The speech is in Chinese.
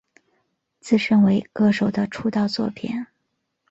自身为歌手的出道作品。